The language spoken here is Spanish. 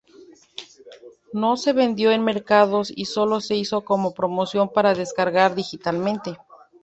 No se vendió en mercados y solo se hizo como promoción para descargar digitalmente.